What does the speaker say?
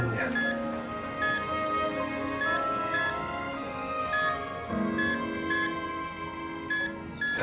kamu cepat sembuh ya